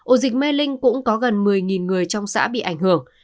ổ dịch mê linh cũng có gần một mươi người trong xã bị ảnh hưởng